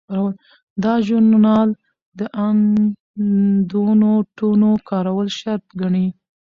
دا ژورنال د اندنوټونو کارول شرط ګڼي.